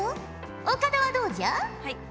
岡田はどうじゃ？